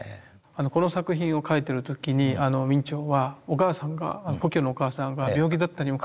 この作品を描いてる時に明兆はお母さんが故郷のお母さんが病気だったにもかかわらず。